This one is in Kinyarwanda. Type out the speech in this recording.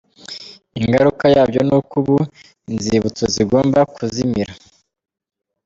Ingaruka yabyo ni uko ubu inzibutso zigomba kuzimira.